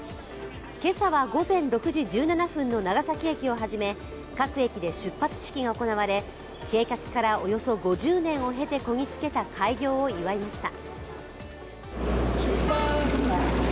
今朝は午前６時１７分の長崎駅をはじめ各駅で出発式が行われ、計画からおよそ５０年を経てこぎつけた開業を祝いました。